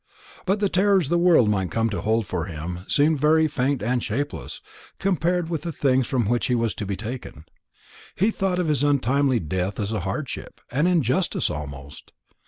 But whatever terrors the world to come might hold for him seemed very faint and shapeless, compared with the things from which he was to be taken. He thought of his untimely death as a hardship, an injustice almost.